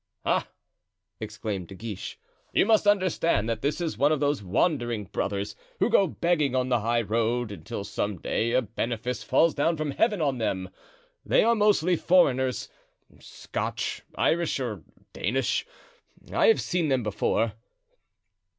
"Ah!" exclaimed De Guiche, "you must understand that this is one of those wandering brothers, who go begging on the high road until some day a benefice falls down from Heaven on them; they are mostly foreigners—Scotch, Irish or Danish. I have seen them before."